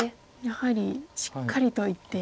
やはりしっかりと１手。